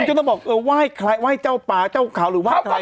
คุณก็ต้องบอกไหว้ใครไหว้เจ้าป่าเจ้าขาวหรือไหว้ใคร